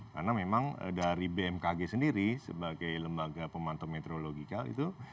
karena memang dari bmkg sendiri sebagai lembaga pemantau meteorologi itu